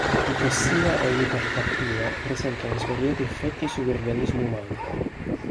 L'ipossia e l'ipercapnia presentano svariati effetti sull'organismo umano.